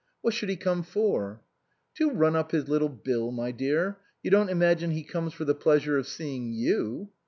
" What should he come for ?"" To run up his little bill, my dear. You don't imagine he comes for the pleasure of seeing you?"